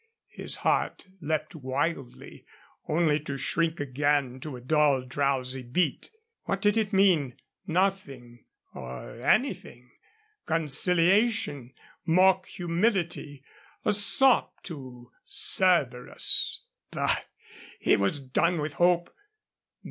His heart leaped wildly, only to shrink again to a dull, drowsy beat. What did it mean? Nothing, or anything; conciliation, mock humility a sop to Cerberus. Bah! He was done with hope.